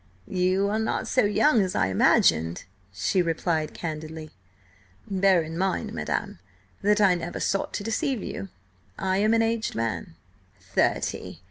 "You are not so young as I imagined," she replied candidly. "Bear in mind, madam, that I never sought to deceive you. I am an aged man." "Thirty!"